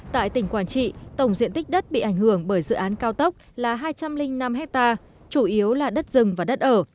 tại tỉnh quảng trị tổng diện tích đất bị ảnh hưởng bởi dự án cao tốc là hai trăm linh năm hectare chủ yếu là đất rừng và đất ở